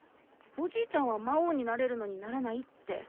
おじいちゃんは魔王になれるのにならないって。